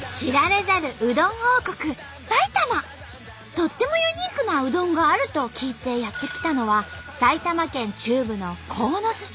とってもユニークなうどんがあると聞いてやって来たのは埼玉県中部の鴻巣市。